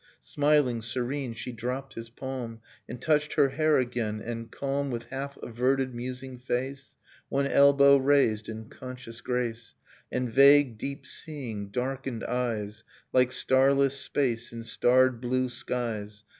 Smiling, serene, she dropped his palm. And touched her hair again; and calm, With half averted musing face, One elbow raised in conscious grace, And vague, deep seeing, darkened eyes Like starless space in starred blue skies.